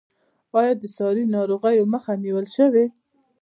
آیا د ساري ناروغیو مخه نیول شوې؟